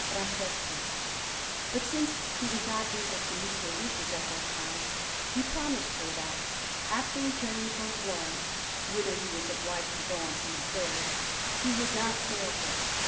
Francesco; but since he was not able to meet her wishes at that time, he promised her that, after returning from Florence, whither he was obliged to go on some affairs, he would not fail her.